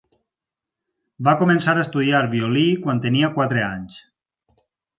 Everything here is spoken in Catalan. Va començar a estudiar violí quan tenia quatre anys.